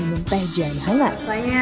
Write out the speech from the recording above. dengan mempeh jahat hangat